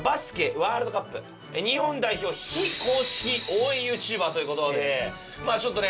ワールドカップ日本代表非公式応援ＹｏｕＴｕｂｅｒという事でまあちょっとね